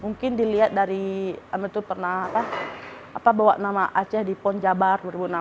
mungkin dilihat dari apa itu pernah bawa nama aceh di pon jabar dua ribu enam belas